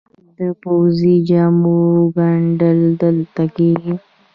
د پوځي جامو ګنډل دلته کیږي؟